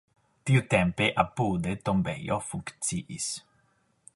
Tiutempe apude tombejo funkciis.